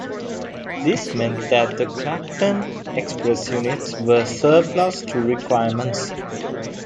This meant that the "Clacton Express" units were surplus to requirements.